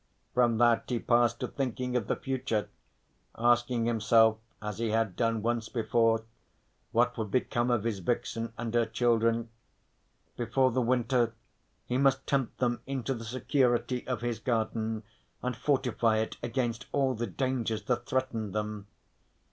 From that he passed to thinking of the future, asking himself as he had done once before what would become of his vixen and her children. Before the winter he must tempt them into the security of his garden, and fortify it against all the dangers that threatened them.